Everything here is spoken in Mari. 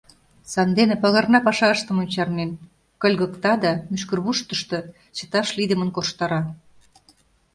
Сандене пагарна паша ыштымым чарнен, кыльгыкта да мӱшкырвуштышто чыташ лийдымын корштара.